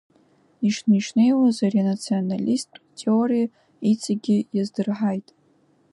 Ишнеишнеиуаз ари анационалисттә теориа иҵегьгьы иаздырҳаит.